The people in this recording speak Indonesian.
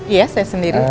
iya saya sendiri